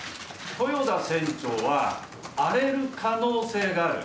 豊田船長は、荒れる可能性がある。